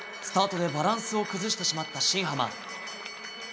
スタートでバランスを崩してしまった新濱。